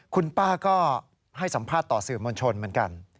คุณป้าก็ให้สัมภาษณ์ต่อสื่อมวลชนเหมือนกัน